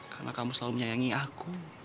karena kamu selalu menyayangi aku